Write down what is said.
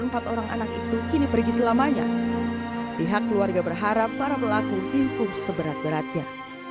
empat orang anak itu kini pergi selamanya pihak keluarga berharap para pelaku dihukum seberat beratnya